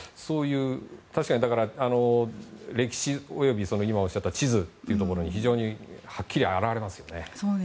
だから歴史及び地図というところに非常にはっきり表れますよね。